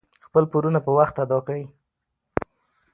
خپل پورونه پر وخت ادا کړئ.